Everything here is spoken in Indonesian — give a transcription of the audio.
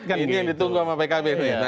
ini yang ditunggu sama pkb